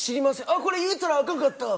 「あっこれ言うたらアカンかった」